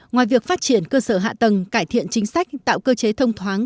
ngoài việc phát triển cơ sở hạ tầng cải thiện chính sách tạo cơ chế thông thoáng